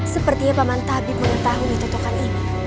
sepertinya paman tabib mengetahui totokan ini